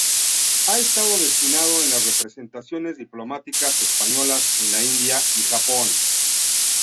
Ha estado destinado en las representaciones diplomáticas españolas en la India y Japón.